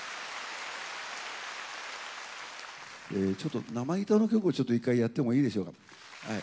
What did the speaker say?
ちょっと生ギターの曲をちょっと一回やってもいいでしょうか？